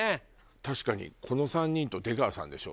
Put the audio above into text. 確かにこの３人と出川さんでしょ？